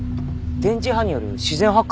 電磁波による自然発火？